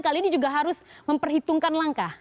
kali ini juga harus memperhitungkan langkah